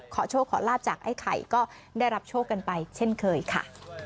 โชคขอลาบจากไอ้ไข่ก็ได้รับโชคกันไปเช่นเคยค่ะ